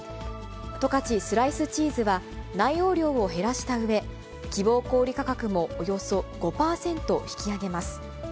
十勝スライスチーズは、内容量を減らしたうえ、希望小売価格もおよそ５％引き上げます。